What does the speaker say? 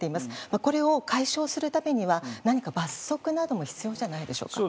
これを解消するためには何か罰則なども必要じゃないでしょうか。